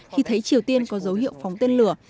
khi thấy triều tiên có dấu hiệu phóng tên lửa